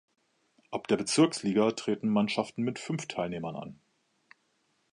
Ab der Bezirksliga treten Mannschaften mit fünf Teilnehmern an.